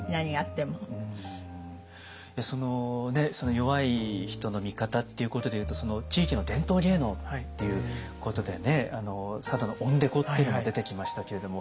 弱い人の味方っていうことでいうと地域の伝統芸能っていうことでね佐渡の鬼太鼓っていうのも出てきましたけれども。